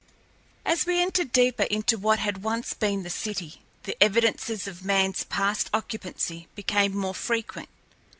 As we entered deeper into what had once been the city, the evidences of manl's past occupancy became more frequent.